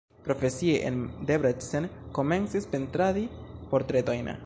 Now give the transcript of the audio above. Profesie en Debrecen komencis pentradi portretojn.